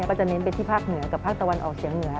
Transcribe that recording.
ก็จะเน้นไปที่ภาคเหนือกับภาคตะวันออกเฉียงเหนือ